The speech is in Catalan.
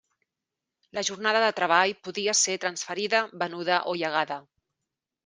La jornada de treball podia ser transferida, venuda o llegada.